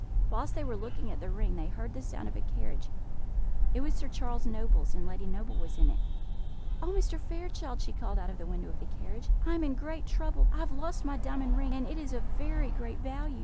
Whilst they were looking at the ring they heard the sound of a carriage; it was Sir Charles Noble's, and Lady Noble was in it. "Oh, Mr. Fairchild!" she called out of the window of the carriage, "I am in great trouble; I have lost my diamond ring, and it is of very great value.